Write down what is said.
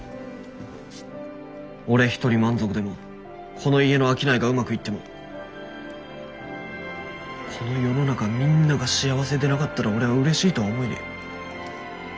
俺一人満足でもこの家の商いがうまくいってもこの世の中みんなが幸せでなかったら俺はうれしいとは思えねえ。